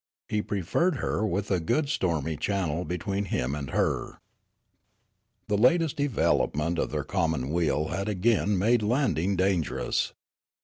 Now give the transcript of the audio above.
He preferred her with a good stormy channel between him and her. The latest development of their commonweal had again made landing dangerous.